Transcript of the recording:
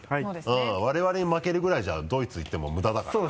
我々に負けるぐらいじゃドイツ行っても無駄だからな。